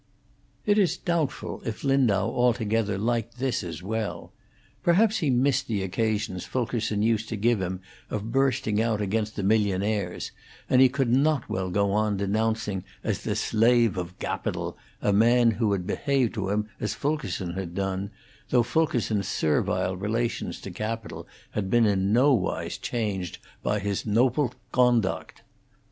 It is doubtful if Lindau altogether liked this as well. Perhaps he missed the occasions Fulkerson used to give him of bursting out against the millionaires; and he could not well go on denouncing as the slafe of gabidal a man who had behaved to him as Fulkerson had done, though Fulkerson's servile relations to capital had been in nowise changed by his nople gonduct.